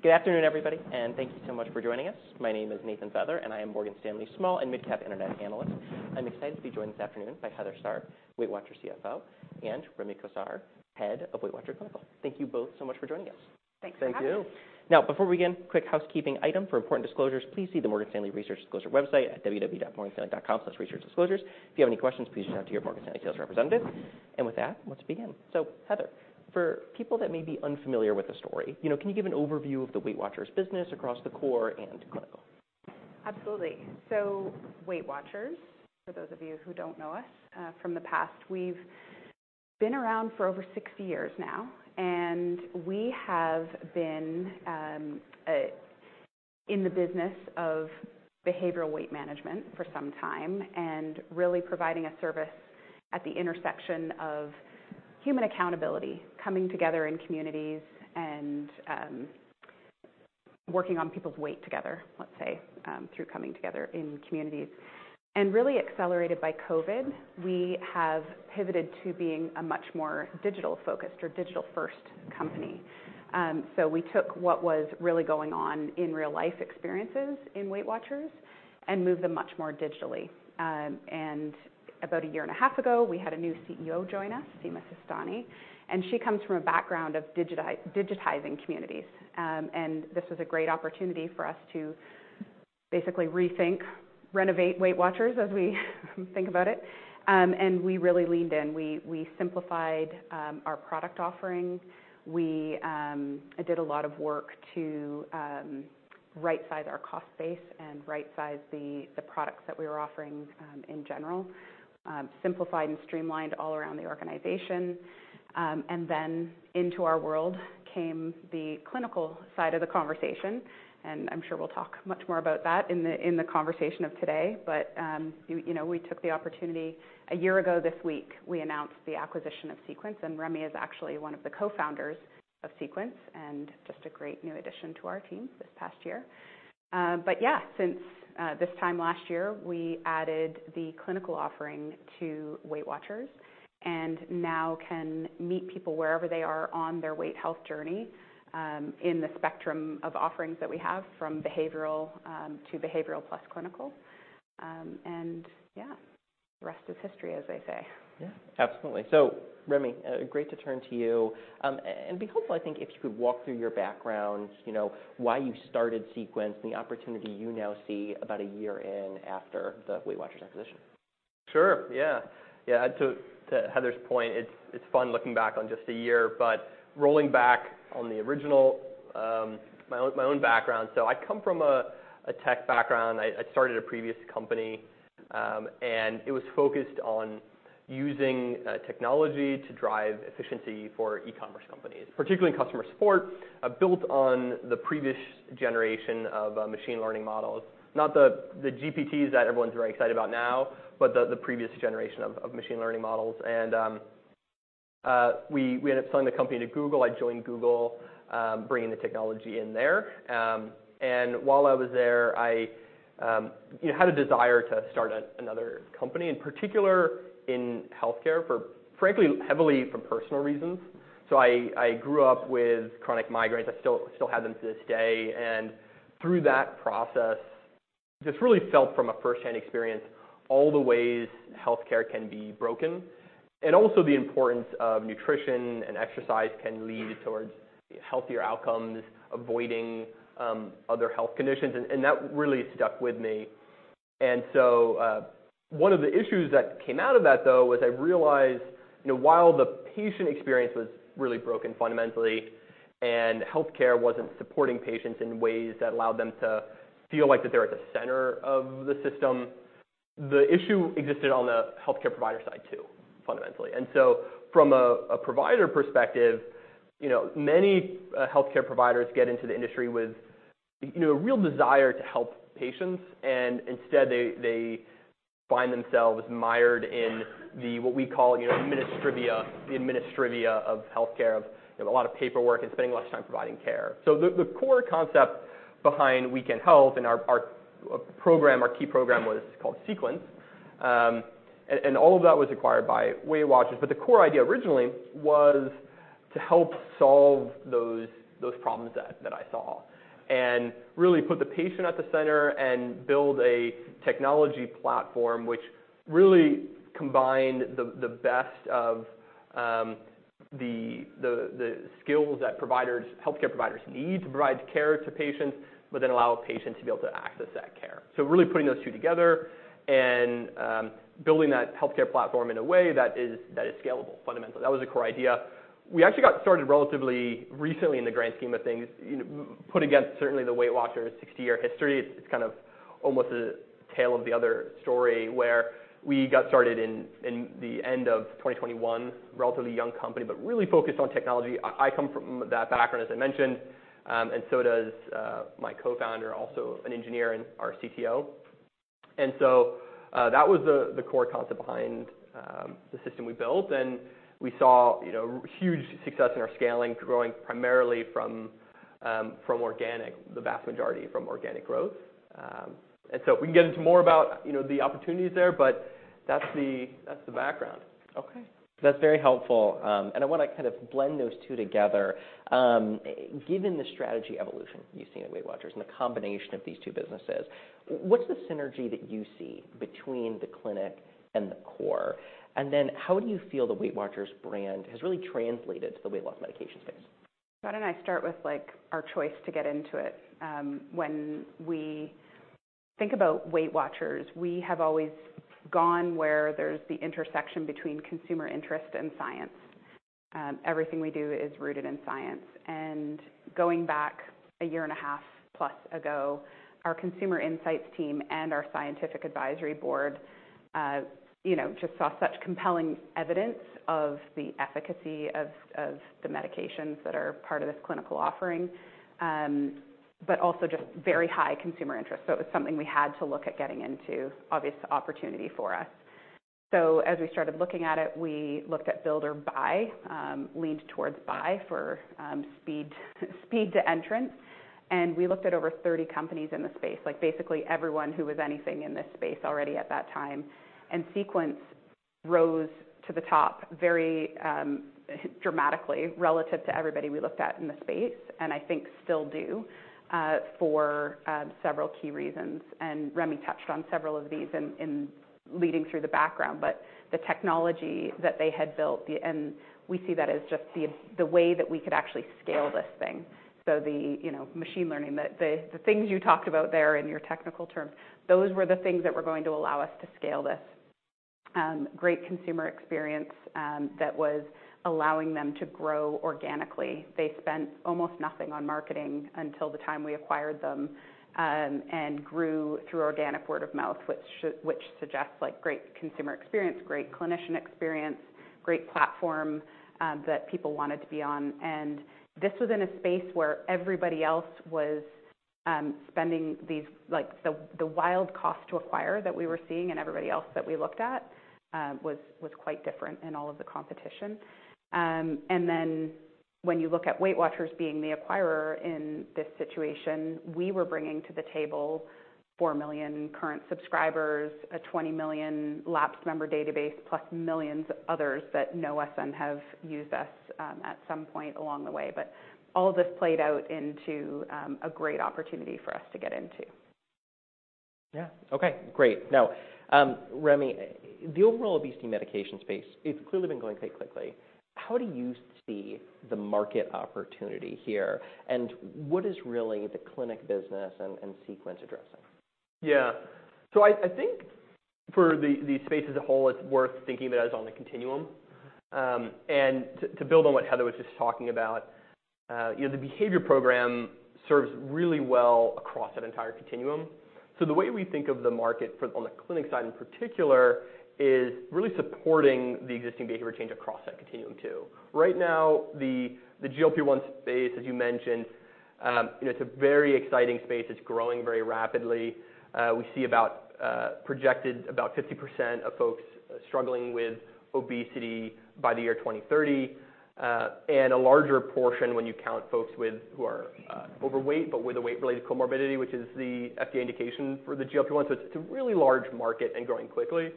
Good afternoon, everybody, and thank you so much for joining us. My name is Nathan Feather, and I am Morgan Stanley's small and mid-cap internet analyst. I'm excited to be joined this afternoon by Heather Stark, WeightWatchers CFO, and Rémi Cossart, head of WeightWatchers Clinic. Thank you both so much for joining us. Thanks, Patrick. Thank you. Now, before we begin, quick housekeeping item: for important disclosures, please see the Morgan Stanley Research Disclosure website at www.morganstanley.com/researchdisclosures. If you have any questions, please reach out to your Morgan Stanley sales representative. With that, let's begin. So, Heather, for people that may be unfamiliar with the story, you know, can you give an overview of the WeightWatchers' business across the core and clinical? Absolutely. So, WeightWatchers, for those of you who don't know us, from the past, we've been around for over 60 years now, and we have been, in the business of behavioral weight management for some time and really providing a service at the intersection of human accountability, coming together in communities, and, working on people's weight together, let's say, through coming together in communities. And really accelerated by COVID, we have pivoted to being a much more digital-focused or digital-first company. So we took what was really going on in real-life experiences in WeightWatchers and moved them much more digitally. And about a year and a half ago, we had a new CEO join us, Sima Sistani, and she comes from a background of digitizing communities. And this was a great opportunity for us to basically rethink, renovate WeightWatchers as we think about it. We really leaned in. We simplified our product offering. We did a lot of work to right-size our cost base and right-size the products that we were offering, in general, simplified and streamlined all around the organization. Then into our world came the clinical side of the conversation, and I'm sure we'll talk much more about that in the conversation of today. But you know, we took the opportunity a year ago this week. We announced the acquisition of Sequence, and Rémi is actually one of the co-founders of Sequence and just a great new addition to our team this past year. Yeah, since this time last year, we added the clinical offering to WeightWatchers and now can meet people wherever they are on their weight health journey, in the spectrum of offerings that we have, from behavioral to behavioral plus clinical. Yeah, the rest is history, as they say. Yeah, absolutely. So, Rémi, great to turn to you and be helpful, I think, if you could walk through your background, you know, why you started Sequence and the opportunity you now see about a year in after the WeightWatchers acquisition. Sure, yeah. Yeah, to Heather's point, it's fun looking back on just a year. But rolling back on the original, my own background, so I come from a tech background. I started a previous company, and it was focused on using technology to drive efficiency for e-commerce companies, particularly in customer support, built on the previous generation of machine learning models. Not the GPTs that everyone's very excited about now, but the previous generation of machine learning models. And we ended up selling the company to Google. I joined Google, bringing the technology in there. And while I was there, you know, I had a desire to start another company, in particular in healthcare, for frankly, heavily from personal reasons. So I grew up with chronic migraines. I still have them to this day. And through that process, just really felt from a firsthand experience all the ways healthcare can be broken and also the importance of nutrition and exercise can lead towards healthier outcomes, avoiding other health conditions. And that really stuck with me. And so, one of the issues that came out of that, though, was I realized, you know, while the patient experience was really broken fundamentally and healthcare wasn't supporting patients in ways that allowed them to feel like that they're at the center of the system, the issue existed on the healthcare provider side, too, fundamentally. From a provider perspective, you know, many healthcare providers get into the industry with, you know, a real desire to help patients, and instead, they find themselves mired in what we call, you know, the minutiae, the minutiae of healthcare, of, you know, a lot of paperwork and spending less time providing care. So the core concept behind Weekend Health and our program, our key program, was called Sequence, and all of that was acquired by WeightWatchers. But the core idea originally was to help solve those problems that I saw and really put the patient at the center and build a technology platform which really combined the best of the skills that providers, healthcare providers, need to provide care to patients but then allow patients to be able to access that care. So really putting those two together and building that healthcare platform in a way that is scalable, fundamentally. That was the core idea. We actually got started relatively recently in the grand scheme of things, you know, put against certainly the WeightWatchers' 60-year history. It's kind of almost a tale of the other story where we got started in the end of 2021, relatively young company but really focused on technology. I come from that background, as I mentioned, and so does my co-founder, also an engineer and our CTO. And so that was the core concept behind the system we built. And we saw, you know, huge success in our scaling, growing primarily from organic, the vast majority from organic growth. And so if we can get into more about, you know, the opportunities there, but that's the background. Okay. That's very helpful. I wanna kind of blend those two together. Given the strategy evolution you've seen at WeightWatchers and the combination of these two businesses, what's the synergy that you see between the clinic and the core? And then how do you feel the WeightWatchers brand has really translated to the weight loss medication space? How did I start with, like, our choice to get into it? When we think about WeightWatchers, we have always gone where there's the intersection between consumer interest and science. Everything we do is rooted in science. And going back a year and a half plus ago, our consumer insights team and our scientific advisory board, you know, just saw such compelling evidence of the efficacy of the medications that are part of this clinical offering, but also just very high consumer interest. So it was something we had to look at getting into, obvious opportunity for us. So as we started looking at it, we looked at build or buy, leaned towards buy for speed, speed to entrance. And we looked at over 30 companies in the space, like basically everyone who was anything in this space already at that time. Sequence rose to the top very dramatically relative to everybody we looked at in the space and I think still do, for several key reasons. Rémi touched on several of these in leading through the background. But the technology that they had built, and we see that as just the way that we could actually scale this thing. So you know, machine learning, the things you talked about there in your technical terms, those were the things that were going to allow us to scale this. Great consumer experience, that was allowing them to grow organically. They spent almost nothing on marketing until the time we acquired them, and grew through organic word of mouth, which suggests, like, great consumer experience, great clinician experience, great platform, that people wanted to be on. This was in a space where everybody else was spending these, like, the wild cost to acquire that we were seeing and everybody else that we looked at was quite different in all of the competition. Then when you look at WeightWatchers being the acquirer in this situation, we were bringing to the table 4 million current subscribers, a 20 million lapsed member database plus millions of others that know us and have used us at some point along the way. But all of this played out into a great opportunity for us to get into. Yeah, okay, great. Now, Rémi, the overall obesity medication space, it's clearly been going quite quickly. How do you see the market opportunity here, and what is really the clinic business and Sequence addressing? Yeah. So I, I think for the, the space as a whole, it's worth thinking about it as on a continuum. And to, to build on what Heather was just talking about, you know, the behavior program serves really well across that entire continuum. So the way we think of the market for on the clinic side in particular is really supporting the existing behavior change across that continuum, too. Right now, the, the GLP-1 space, as you mentioned, you know, it's a very exciting space. It's growing very rapidly. We see about, projected about 50% of folks struggling with obesity by the year 2030, and a larger portion when you count folks who are overweight but with a weight-related comorbidity, which is the FDA indication for the GLP-1. So it's, it's a really large market and growing quickly.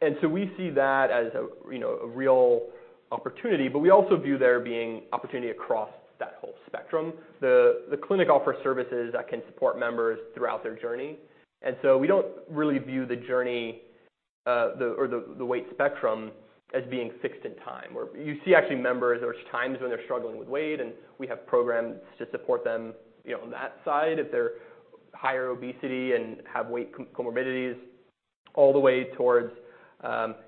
And so we see that as a, you know, a real opportunity, but we also view there being opportunity across that whole spectrum. The clinic offers services that can support members throughout their journey. And so we don't really view the journey or the weight spectrum as being fixed in time. Or you see actually members, there's times when they're struggling with weight, and we have programs to support them, you know, on that side if they're higher obesity and have weight comorbidities all the way towards,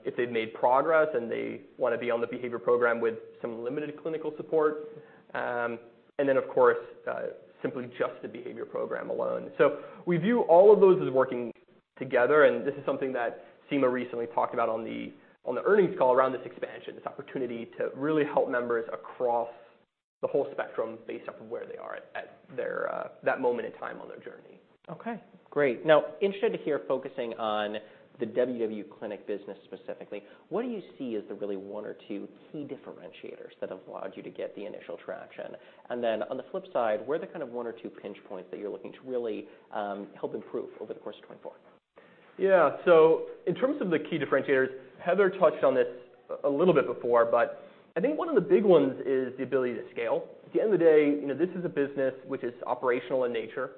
if they've made progress and they wanna be on the behavior program with some limited clinical support. And then, of course, simply just the behavior program alone. So we view all of those as working together, and this is something that Sima recently talked about on the earnings call around this expansion, this opportunity to really help members across the whole spectrum based off of where they are at that moment in time on their journey. Okay, great. Now, interested to hear focusing on the WW Clinic business specifically, what do you see as the really one or two key differentiators that have allowed you to get the initial traction? And then on the flip side, where are the kind of one or two pinch points that you're looking to really, help improve over the course of 2024? Yeah, so in terms of the key differentiators, Heather touched on this a little bit before, but I think one of the big ones is the ability to scale. At the end of the day, you know, this is a business which is operational in nature,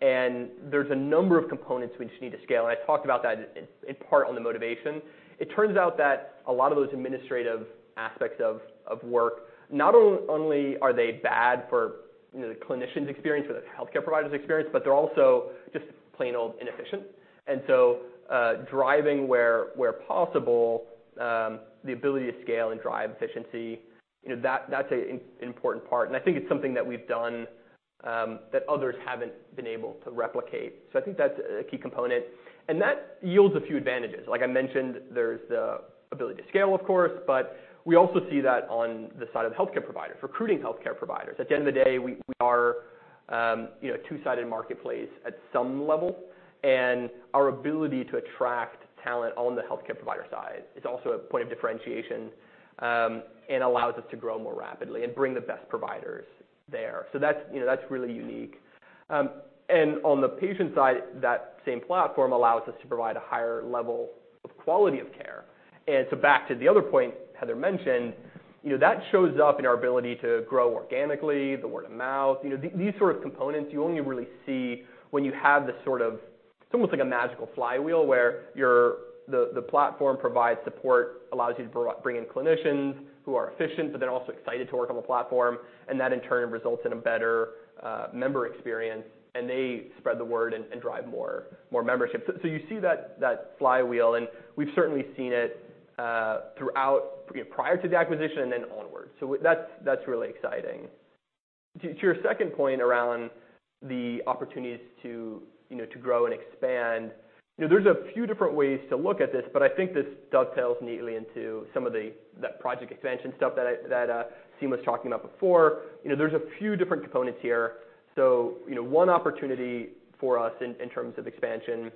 and there's a number of components which need to scale. And I talked about that in part on the motivation. It turns out that a lot of those administrative aspects of work, not only are they bad for, you know, the clinician's experience or the healthcare provider's experience, but they're also just plain old inefficient. And so, driving where possible the ability to scale and drive efficiency, you know, that's an important part. And I think it's something that we've done, that others haven't been able to replicate. So I think that's a key component. That yields a few advantages. Like I mentioned, there's the ability to scale, of course, but we also see that on the side of the healthcare providers, recruiting healthcare providers. At the end of the day, we are, you know, a two-sided marketplace at some level. And our ability to attract talent on the healthcare provider side is also a point of differentiation, and allows us to grow more rapidly and bring the best providers there. So that's, you know, that's really unique. And on the patient side, that same platform allows us to provide a higher level of quality of care. And so back to the other point Heather mentioned, you know, that shows up in our ability to grow organically, the word of mouth, you know, these sort of components, you only really see when you have this sort of it's almost like a magical flywheel where you're the platform provides support, allows you to bring in clinicians who are efficient but then also excited to work on the platform, and that in turn results in a better member experience. And they spread the word and drive more membership. So you see that flywheel, and we've certainly seen it throughout, you know, prior to the acquisition and then onward. So that's really exciting. To your second point around the opportunities to, you know, to grow and expand, you know, there's a few different ways to look at this, but I think this dovetails neatly into some of that project expansion stuff that Sima was talking about before. You know, there's a few different components here. So, you know, one opportunity for us in terms of expansion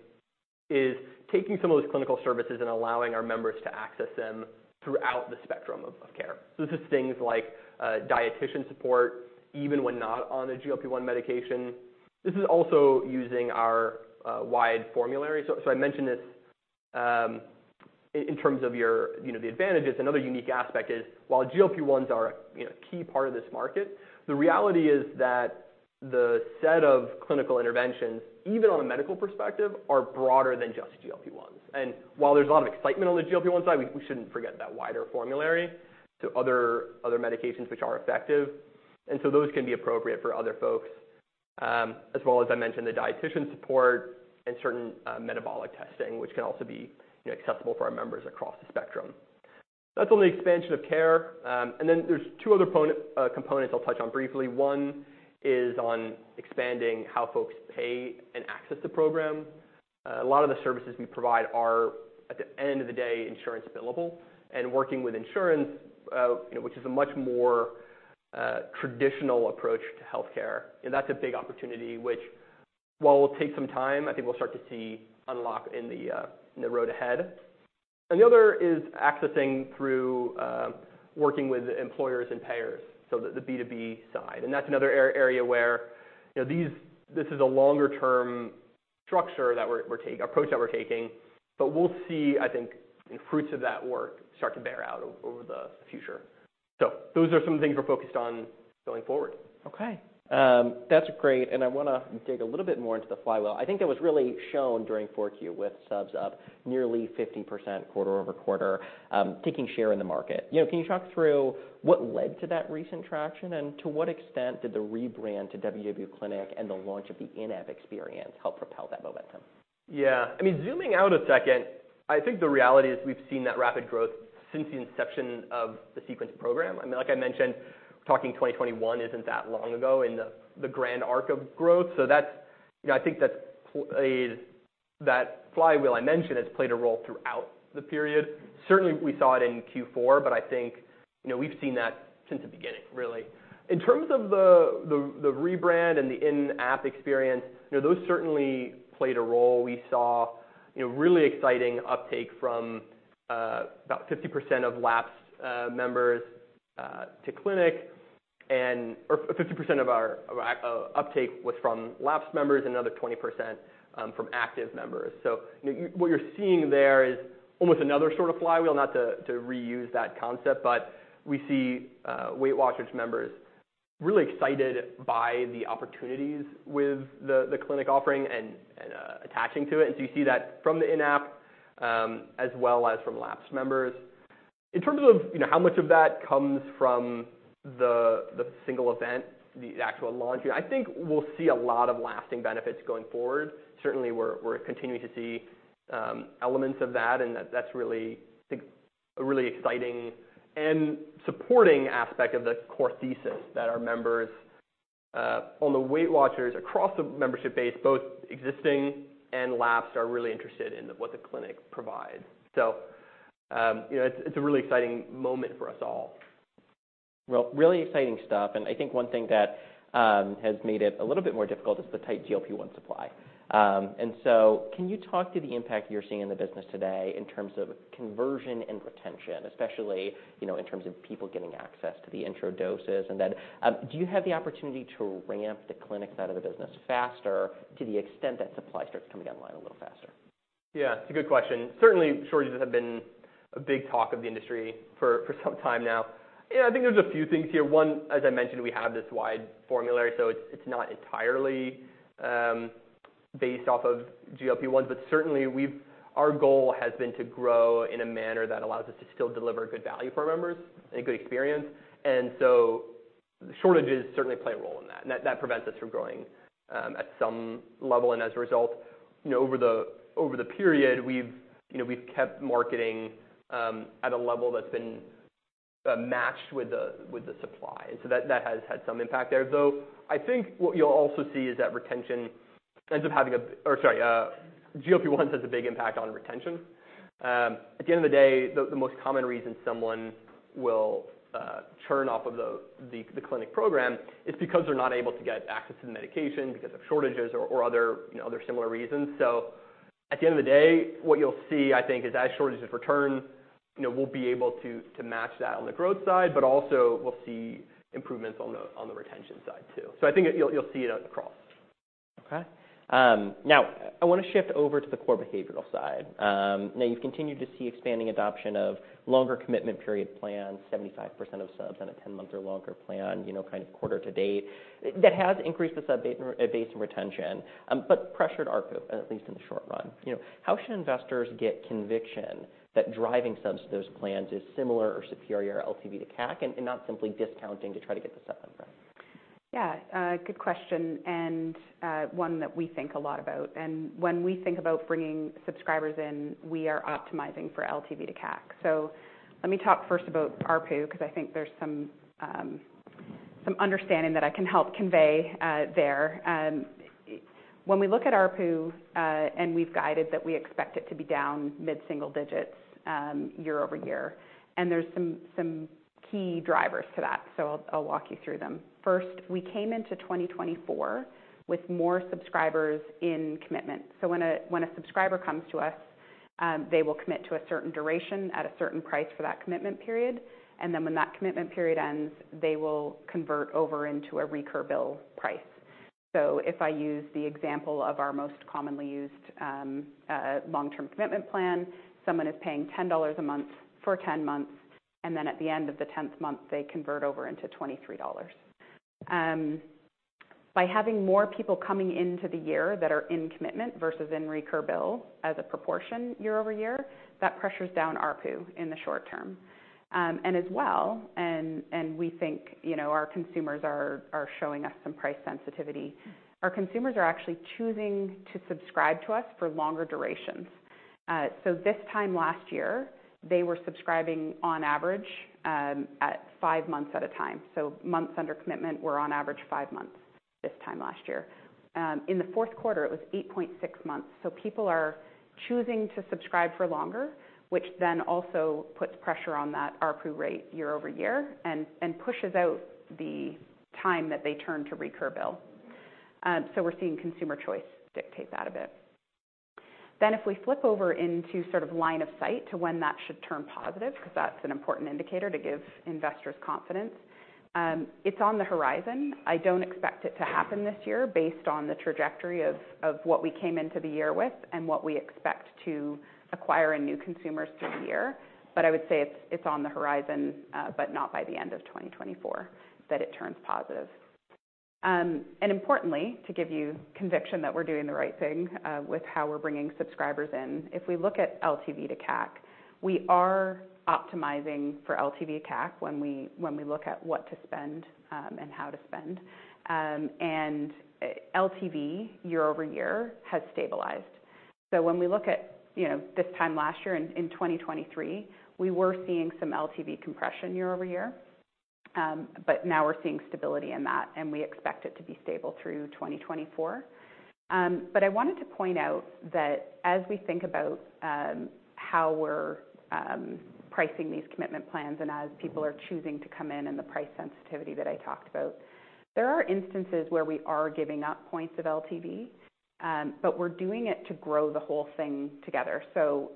is taking some of those clinical services and allowing our members to access them throughout the spectrum of care. So this is things like dietitian support even when not on a GLP-1 medication. This is also using our wide formulary. So I mentioned this in terms of your, you know, the advantages. Another unique aspect is, while GLP-1s are, you know, a key part of this market, the reality is that the set of clinical interventions, even on a medical perspective, are broader than just GLP-1s. And while there's a lot of excitement on the GLP-1 side, we, we shouldn't forget that wider formulary to other, other medications which are effective. And so those can be appropriate for other folks, as well as I mentioned, the dietitian support and certain metabolic testing which can also be, you know, accessible for our members across the spectrum. That's on the expansion of care. Then there's two other key components I'll touch on briefly. One is on expanding how folks pay and access the program. A lot of the services we provide are, at the end of the day, insurance billable. Working with insurance, you know, which is a much more traditional approach to healthcare, you know, that's a big opportunity which, while it'll take some time, I think we'll start to see unlock in the road ahead. And the other is accessing through working with employers and payers, so the B2B side. And that's another area where, you know, this is a longer-term structure that we're taking approach that we're taking. But we'll see, I think, you know, fruits of that work start to bear out over the future. So those are some of the things we're focused on going forward. Okay. That's great. I wanna dig a little bit more into the flywheel. I think that was really shown during 4Q with subs up nearly 50% quarter-over-quarter, taking share in the market. You know, can you talk through what led to that recent traction and to what extent did the rebrand to WW Clinic and the launch of the in-app experience help propel that momentum? Yeah. I mean, zooming out a second, I think the reality is we've seen that rapid growth since the inception of the Sequence program. I mean, like I mentioned, talking 2021 isn't that long ago in the grand arc of growth. So that's, you know, I think the flywheel I mentioned has played a role throughout the period. Certainly, we saw it in Q4, but I think, you know, we've seen that since the beginning, really. In terms of the rebrand and the in-app experience, you know, those certainly played a role. We saw, you know, really exciting uptake from about 50% of lapsed members to Clinic, or 50% of our uptake was from lapsed members and another 20% from active members. So, you know, what you're seeing there is almost another sort of flywheel, not to reuse that concept, but we see WeightWatchers members really excited by the opportunities with the clinic offering and attaching to it. And so you see that from the in-app, as well as from lapsed members. In terms of, you know, how much of that comes from the single event, the actual launch, you know, I think we'll see a lot of lasting benefits going forward. Certainly, we're continuing to see elements of that, and that's really, I think, a really exciting and supporting aspect of the core thesis that our members on the WeightWatchers, across the membership base, both existing and lapsed, are really interested in what the clinic provides. So, you know, it's a really exciting moment for us all. Well, really exciting stuff. And I think one thing that, has made it a little bit more difficult is the tight GLP-1 supply. And so can you talk to the impact you're seeing in the business today in terms of conversion and retention, especially, you know, in terms of people getting access to the intro doses? And then, do you have the opportunity to ramp the clinic side of the business faster to the extent that supply starts coming online a little faster? Yeah, it's a good question. Certainly, shortages have been a big talk of the industry for some time now. You know, I think there's a few things here. One, as I mentioned, we have this wide formulary, so it's not entirely based off of GLP-1s. But certainly, we've our goal has been to grow in a manner that allows us to still deliver good value for our members and a good experience. And so shortages certainly play a role in that. And that prevents us from growing at some level. And as a result, you know, over the period, you know, we've kept marketing at a level that's been matched with the supply. And so that has had some impact there. Though I think what you'll also see is that retention ends up having a or sorry, GLP-1s has a big impact on retention. At the end of the day, the most common reason someone will churn off of the clinic program is because they're not able to get access to the medication because of shortages or other, you know, other similar reasons. So at the end of the day, what you'll see, I think, is as shortages return, you know, we'll be able to match that on the growth side, but also we'll see improvements on the retention side, too. So I think you'll see it across. Okay. Now, I wanna shift over to the core behavioral side. Now, you've continued to see expanding adoption of longer commitment period plans, 75% of subs on a 10-month or longer plan, you know, kind of quarter to date. That has increased the sub base and our base and retention, but pressured our comp, at least in the short run. You know, how should investors get conviction that driving subs to those plans is similar or superior LTV to CAC and not simply discounting to try to get the sub number? Yeah, good question and, one that we think a lot about. When we think about bringing subscribers in, we are optimizing for LTV to CAC. So let me talk first about ARPU 'cause I think there's some, some understanding that I can help convey, there. When we look at ARPU, and we've guided that we expect it to be down mid-single digits, year-over-year. And there's some, some key drivers to that. So I'll walk you through them. First, we came into 2024 with more subscribers in commitment. So when a subscriber comes to us, they will commit to a certain duration at a certain price for that commitment period. And then when that commitment period ends, they will convert over into a recur bill price. So if I use the example of our most commonly used, long-term commitment plan, someone is paying $10 a month for 10 months, and then at the end of the 10th month, they convert over into $23. By having more people coming into the year that are in commitment versus in recur bill as a proportion year-over-year, that pressures down ARPU in the short term. And as well, we think, you know, our consumers are showing us some price sensitivity. Our consumers are actually choosing to subscribe to us for longer durations. So this time last year, they were subscribing on average at five months at a time. So months under commitment were on average five months this time last year. In the fourth quarter, it was 8.6 months. So people are choosing to subscribe for longer, which then also puts pressure on that ARPU rate year over year and pushes out the time that they turn to recur bill. So we're seeing consumer choice dictate that a bit. Then if we flip over into sort of line of sight to when that should turn positive 'cause that's an important indicator to give investors confidence, it's on the horizon. I don't expect it to happen this year based on the trajectory of what we came into the year with and what we expect to acquire in new consumers through the year. But I would say it's on the horizon, but not by the end of 2024 that it turns positive. Importantly, to give you conviction that we're doing the right thing with how we're bringing subscribers in, if we look at LTV to CAC, we are optimizing for LTV to CAC when we look at what to spend and how to spend. LTV year-over-year has stabilized. So when we look at, you know, this time last year in 2023, we were seeing some LTV compression year-over-year. But now we're seeing stability in that, and we expect it to be stable through 2024. But I wanted to point out that as we think about how we're pricing these commitment plans and as people are choosing to come in and the price sensitivity that I talked about, there are instances where we are giving up points of LTV, but we're doing it to grow the whole thing together.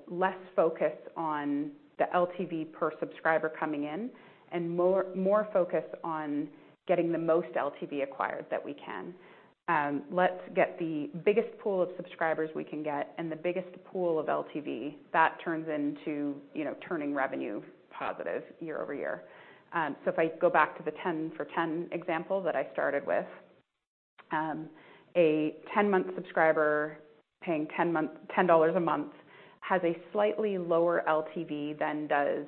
Less focus on the LTV per subscriber coming in and more focus on getting the most LTV acquired that we can. Let's get the biggest pool of subscribers we can get, and the biggest pool of LTV, that turns into, you know, turning revenue positive year-over-year. If I go back to the 10 for 10 example that I started with, a 10-month subscriber paying 10 month $10 a month has a slightly lower LTV than does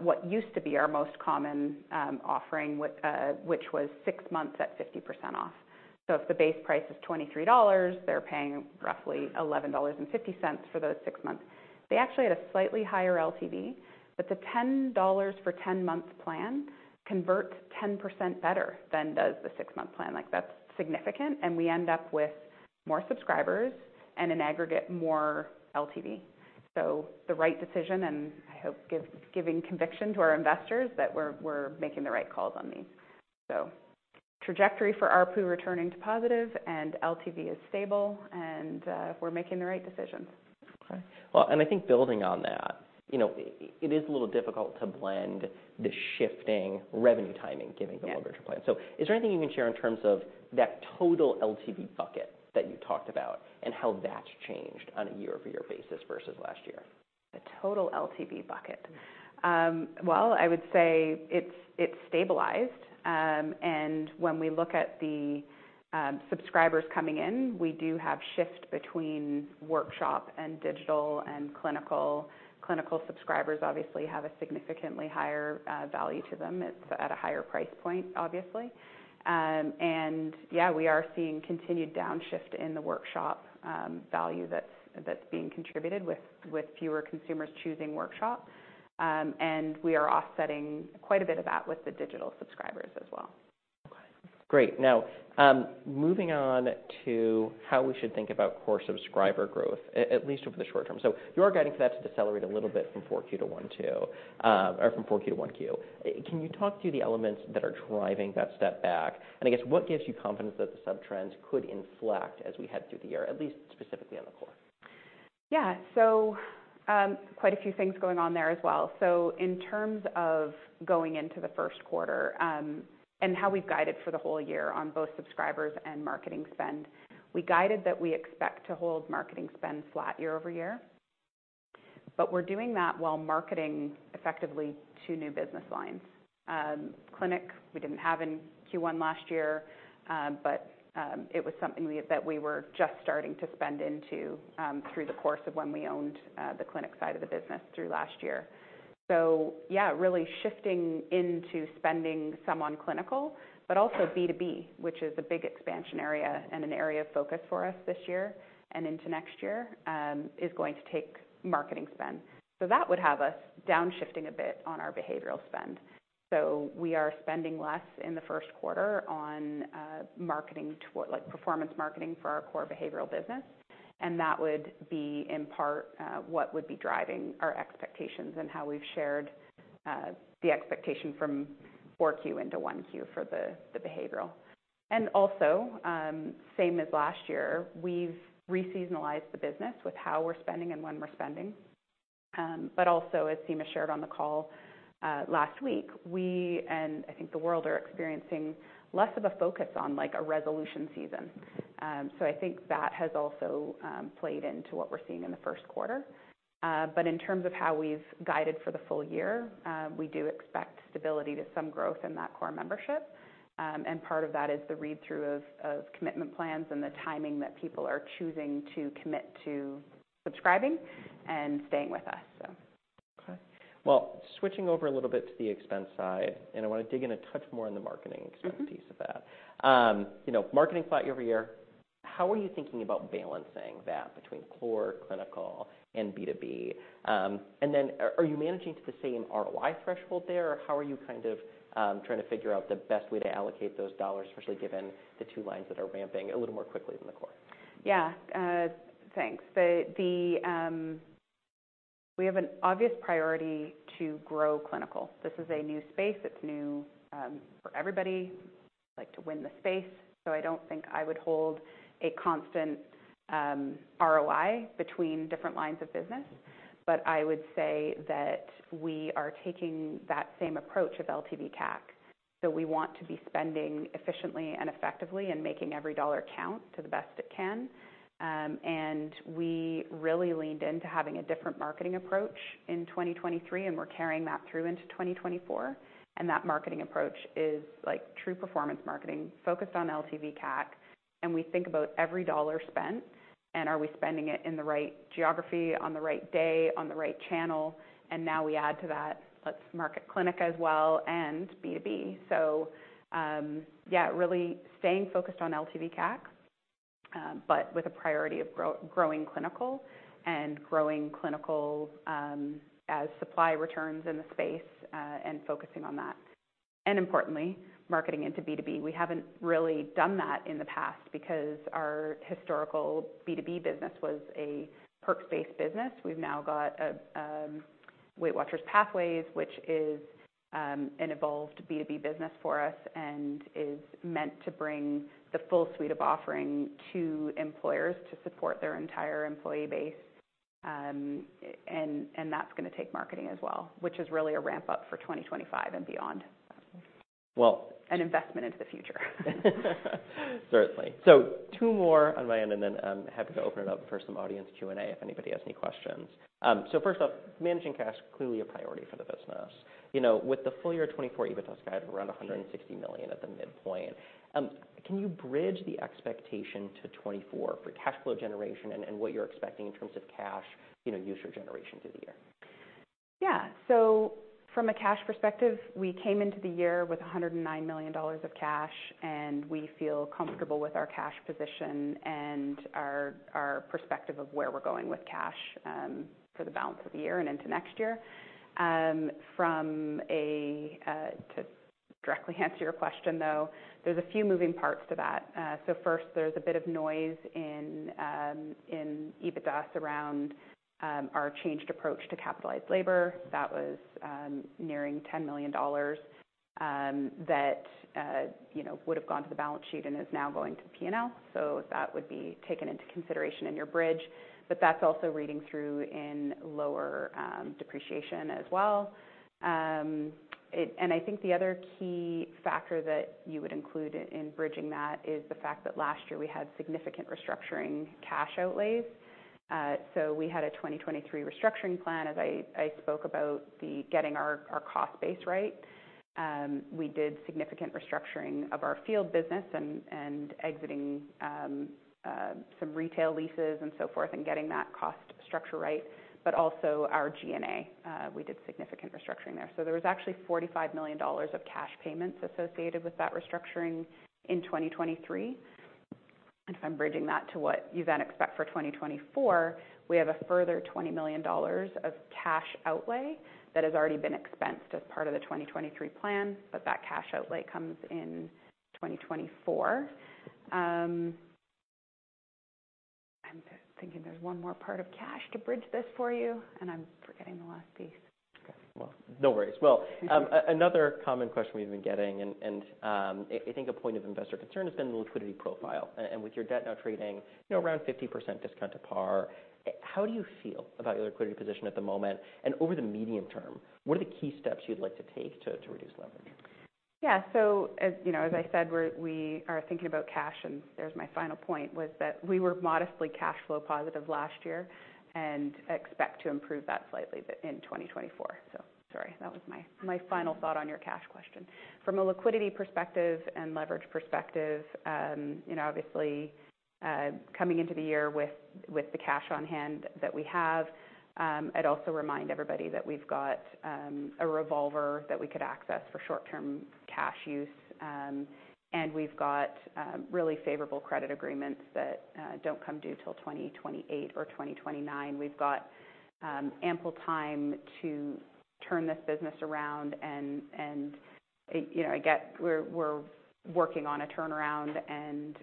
what used to be our most common offering, which was six months at 50% off. So if the base price is $23, they're paying roughly $11.50 for those six months. They actually had a slightly higher LTV, but the $10 for 10 months plan converts 10% better than does the six-month plan. Like, that's significant. We end up with more subscribers and, in aggregate, more LTV. So the right decision, and I hope, giving conviction to our investors that we're making the right calls on these. So trajectory for ARPU returning to positive and LTV is stable, and we're making the right decisions. Okay. Well, and I think building on that, you know, it is a little difficult to blend the shifting revenue timing given the longer-term plan. So is there anything you can share in terms of that total LTV bucket that you talked about and how that's changed on a year-over-year basis versus last year? The total LTV bucket? Well, I would say it's stabilized. When we look at the subscribers coming in, we do have shift between workshop and digital and clinical. Clinical subscribers, obviously, have a significantly higher value to them. It's at a higher price point, obviously. Yeah, we are seeing continued downshift in the workshop value that's being contributed with fewer consumers choosing workshop. We are offsetting quite a bit of that with the digital subscribers as well. Okay. Great. Now, moving on to how we should think about core subscriber growth, at least over the short term. So you are guiding for that to decelerate a little bit from 4Q to 1Q, or from 4Q to 1Q. Can you talk through the elements that are driving that step back? And I guess, what gives you confidence that the subtrends could inflect as we head through the year, at least specifically on the core? Yeah. So, quite a few things going on there as well. So in terms of going into the first quarter, and how we've guided for the whole year on both subscribers and marketing spend, we guided that we expect to hold marketing spend flat year-over-year. But we're doing that while marketing effectively two new business lines. Clinic, we didn't have in Q1 last year, but it was something we were just starting to spend into, through the course of when we owned the clinic side of the business through last year. So yeah, really shifting into spending some on clinical, but also B2B, which is a big expansion area and an area of focus for us this year and into next year, is going to take marketing spend. So that would have us downshifting a bit on our behavioral spend. So we are spending less in the first quarter on marketing or like performance marketing for our core behavioral business. And that would be in part what would be driving our expectations and how we've shared the expectation from 4Q into 1Q for the behavioral. And also, same as last year, we've re-seasonalized the business with how we're spending and when we're spending. But also, as Sima shared on the call last week, we and I think the world are experiencing less of a focus on like a resolution season. So I think that has also played into what we're seeing in the first quarter. But in terms of how we've guided for the full year, we do expect stability to some growth in that core membership. Part of that is the read-through of commitment plans and the timing that people are choosing to commit to subscribing and staying with us, so. Okay. Well, switching over a little bit to the expense side, and I wanna dig in a touch more in the marketing expense piece of that. You know, marketing flat year-over-year, how are you thinking about balancing that between core, clinical, and B2B? And then are you managing to the same ROI threshold there, or how are you kind of trying to figure out the best way to allocate those dollars, especially given the two lines that are ramping a little more quickly than the core? Yeah, thanks. We have an obvious priority to grow clinical. This is a new space. It's new for everybody, like, to win the space. So I don't think I would hold a constant ROI between different lines of business. But I would say that we are taking that same approach of LTV/CAC. So we want to be spending efficiently and effectively and making every dollar count to the best it can. We really leaned into having a different marketing approach in 2023, and we're carrying that through into 2024. That marketing approach is, like, true performance marketing focused on LTV/CAC. We think about every dollar spent, and are we spending it in the right geography, on the right day, on the right channel? Now we add to that, let's market clinic as well and B2B. So, yeah, really staying focused on LTV/CAC, but with a priority of growing clinical, as supply returns in the space, and focusing on that. And importantly, marketing into B2B. We haven't really done that in the past because our historical B2B business was a perks-based business. We've now got a WeightWatchers Pathways, which is an evolved B2B business for us and is meant to bring the full suite of offering to employers to support their entire employee base. And that's gonna take marketing as well, which is really a ramp-up for 2025 and beyond, so. Well. An investment into the future. Certainly. So two more on my end, and then happy to open it up for some audience Q&A if anybody has any questions. So first off, managing cash is clearly a priority for the business. You know, with the full year 2024 EBITDA scaled to around $160 million at the midpoint, can you bridge the expectation to 2024 for cash flow generation and what you're expecting in terms of cash, you know, user generation through the year? Yeah. So from a cash perspective, we came into the year with $109 million of cash, and we feel comfortable with our cash position and our perspective of where we're going with cash, for the balance of the year and into next year. From a, to directly answer your question, though, there's a few moving parts to that. So first, there's a bit of noise in EBITDA around our changed approach to capitalized labor. That was nearing $10 million, that you know would have gone to the balance sheet and is now going to P&L. So that would be taken into consideration in your bridge. But that's also reading through in lower depreciation as well. It and I think the other key factor that you would include in bridging that is the fact that last year we had significant restructuring cash outlays. We had a 2023 restructuring plan, as I, I spoke about, the getting our, our cost base right. We did significant restructuring of our field business and, and exiting, some retail leases and so forth and getting that cost structure right. Also our G&A, we did significant restructuring there. There was actually $45 million of cash payments associated with that restructuring in 2023. If I'm bridging that to what you then expect for 2024, we have a further $20 million of cash outlay that has already been expensed as part of the 2023 plan, but that cash outlay comes in 2024. I'm thinking there's one more part of cash to bridge this for you, and I'm forgetting the last piece. Okay. Well, no worries. Well, another common question we've been getting and, I think a point of investor concern has been the liquidity profile. And with your debt now trading, you know, around 50% discount to par, how do you feel about your liquidity position at the moment? And over the medium term, what are the key steps you'd like to take to reduce leverage? Yeah. So as you know, as I said, we are thinking about cash, and there's my final point, was that we were modestly cash flow positive last year and expect to improve that slightly in 2024. So sorry. That was my final thought on your cash question. From a liquidity perspective and leverage perspective, you know, obviously, coming into the year with the cash on hand that we have, I'd also remind everybody that we've got a revolver that we could access for short-term cash use, and we've got really favorable credit agreements that don't come due till 2028 or 2029. We've got ample time to turn this business around, and I you know, I get we're working on a turnaround and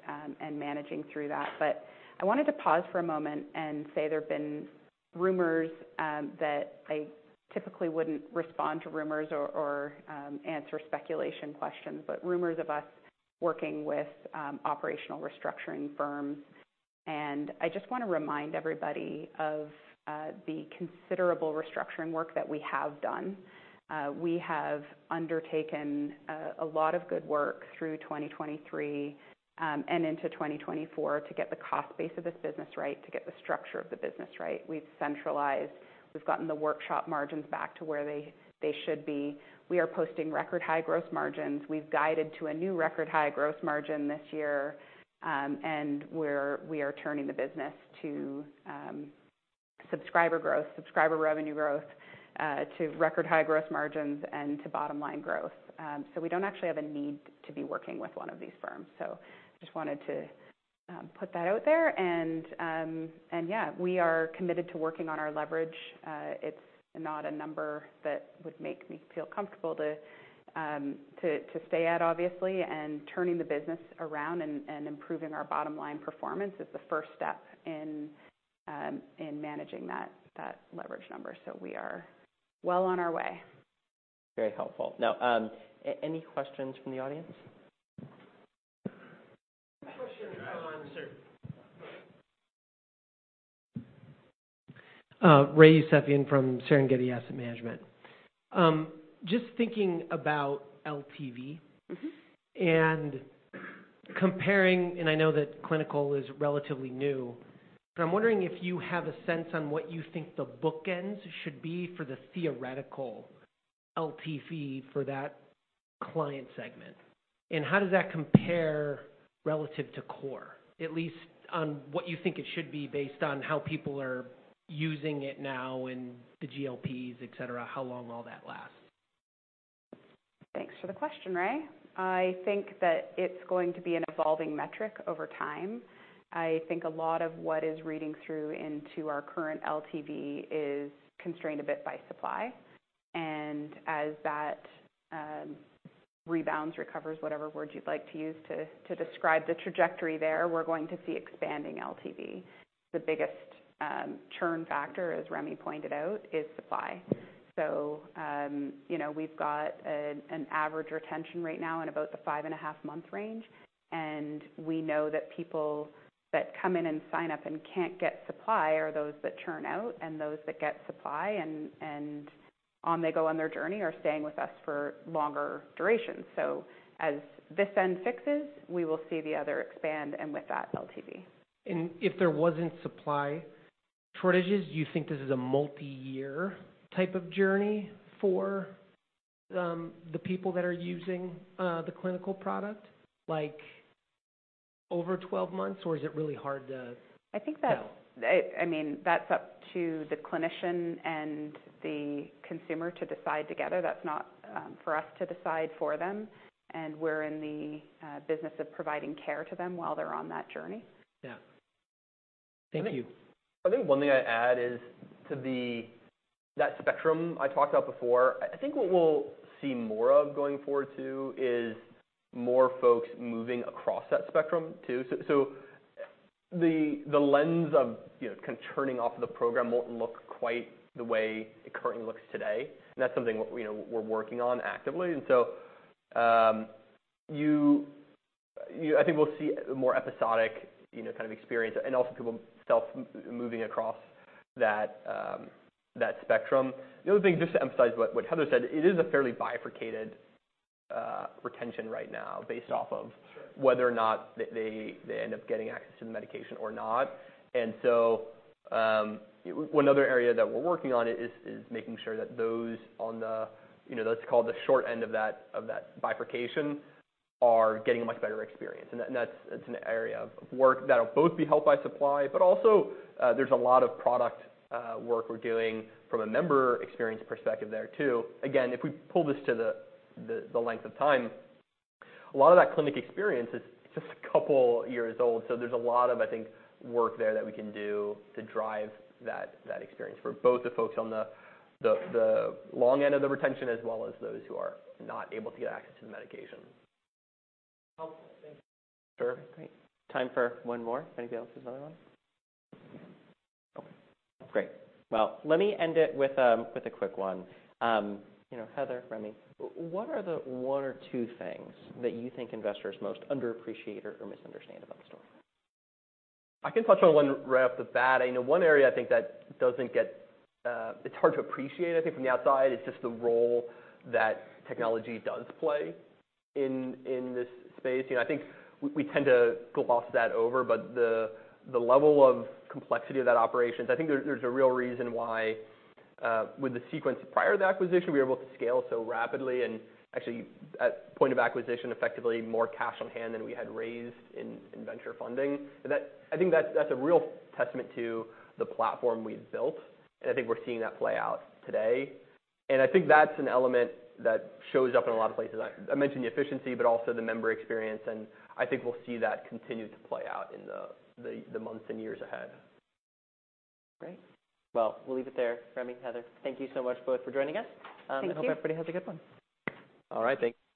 managing through that. But I wanted to pause for a moment and say there've been rumors that I typically wouldn't respond to rumors or answer speculation questions, but rumors of us working with operational restructuring firms. I just wanna remind everybody of the considerable restructuring work that we have done. We have undertaken a lot of good work through 2023 and into 2024 to get the cost base of this business right, to get the structure of the business right. We've centralized. We've gotten the workshop margins back to where they should be. We are posting record high gross margins. We've guided to a new record high gross margin this year. We are turning the business to subscriber growth, subscriber revenue growth, to record high gross margins and to bottom line growth. We don't actually have a need to be working with one of these firms. So I just wanted to put that out there. And yeah, we are committed to working on our leverage. It's not a number that would make me feel comfortable to stay at, obviously. And turning the business around and improving our bottom line performance is the first step in managing that leverage number. So we are well on our way. Very helpful. Now, any questions from the audience? Question on. Ray Yousefi from Serengeti Asset Management. Just thinking about LTV. Comparing, I know that clinical is relatively new, but I'm wondering if you have a sense on what you think the bookends should be for the theoretical LTV for that client segment. How does that compare relative to core, at least on what you think it should be based on how people are using it now and the GLPs, etc., how long all that lasts? Thanks for the question, Ray. I think that it's going to be an evolving metric over time. I think a lot of what is reading through into our current LTV is constrained a bit by supply. And as that rebounds, recovers, whatever word you'd like to use to describe the trajectory there, we're going to see expanding LTV. The biggest churn factor, as Rémi pointed out, is supply. So, you know, we've got an average retention right now in about the 5.5-month range. And we know that people that come in and sign up and can't get supply are those that churn out and those that get supply. And on they go on their journey are staying with us for longer durations. So as this end fixes, we will see the other expand and with that, LTV. If there wasn't supply shortages, do you think this is a multi-year type of journey for the people that are using the clinical product, like over 12 months, or is it really hard to tell? I think that. I mean, that's up to the clinician and the consumer to decide together. That's not for us to decide for them. And we're in the business of providing care to them while they're on that journey. Yeah. Thank you. I think one thing I'd add is to that spectrum I talked about before. I think what we'll see more of going forward too is more folks moving across that spectrum too. So the lens of, you know, kind of turning off of the program won't look quite the way it currently looks today. And that's something we, you know, we're working on actively. And so I think we'll see a more episodic, you know, kind of experience and also people self-moving across that spectrum. The other thing, just to emphasize what Heather said, it is a fairly bifurcated retention right now based off of. Whether or not they end up getting access to the medication or not. And so, what another area that we're working on is making sure that those on the, you know, that's called the short end of that bifurcation are getting a much better experience. And that's an area of work that'll both be helped by supply, but also, there's a lot of product work we're doing from a member experience perspective there too. Again, if we pull this to the length of time, a lot of that clinic experience is it's just a couple years old. So there's a lot of, I think, work there that we can do to drive that experience for both the folks on the long end of the retention as well as those who are not able to get access to the medication. Helpful. Thank you. Sure. All right. Great. Time for one more. Anybody else? There's another one? Okay. Great. Well, let me end it with a quick one. You know, Heather, Rémi, what are the one or two things that you think investors most underappreciate or misunderstand about the story? I can touch on one right off the bat. I know one area I think that doesn't get, it's hard to appreciate, I think, from the outside. It's just the role that technology does play in, in this space. You know, I think we, we tend to gloss that over, but the, the level of complexity of that operations I think there, there's a real reason why, with the Sequence prior to the acquisition, we were able to scale so rapidly and actually, at point of acquisition, effectively more cash on hand than we had raised in, in venture funding. And that I think that's, that's a real testament to the platform we've built. And I think we're seeing that play out today. And I think that's an element that shows up in a lot of places. I, I mentioned the efficiency, but also the member experience. I think we'll see that continue to play out in the months and years ahead. Great. Well, we'll leave it there, Rémi, Heather. Thank you so much both for joining us. And hope. Thank you. Everybody has a good one. All right. Thanks.